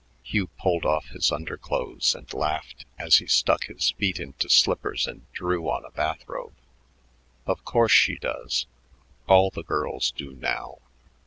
Hugh pulled off his underclothes and laughed as he stuck his feet into slippers and drew on a bath robe. "Of course, she does. All the girls do now.